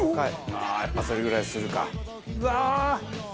ああーやっぱそれぐらいするか。